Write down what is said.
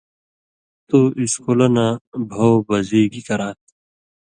تُو اِسکُلہ نہ بَھؤ بزی گی کرات؟